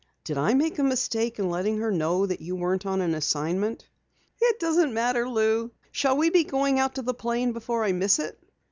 "Did I make a mistake in letting her know that you weren't on an assignment?" "It doesn't matter, Lou. Shall we be going out to the plane before I miss it?"